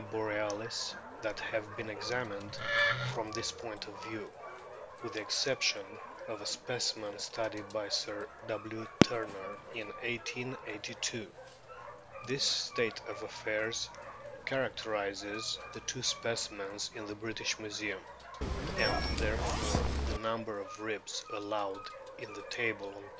borealis that have been examined from this point of view, with the exception of a specimen studied by Sir W. Turner in 1882. This state of affairs characterises the two specimens in the British Museum, and therefore the number of ribs allowed in the table on p.